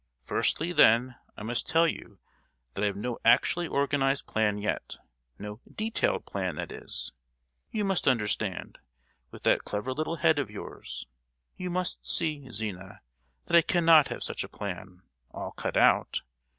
Firstly, then, I must tell you that I have no actually organized plan yet—no detailed plan, that is. You must understand, with that clever little head of yours, you must see, Zina, that I cannot have such a plan, all cut out.